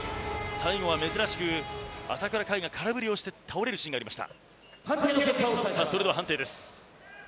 最後は珍しく朝倉海が空振りをして倒れるシーンでした。